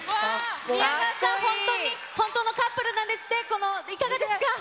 宮川さん、本当に、本当のカップルなんですって、この、いかがですか？